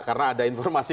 karena ada informasi